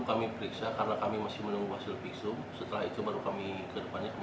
kami periksa karena kami masih menunggu hasil visum setelah itu baru kami ke depannya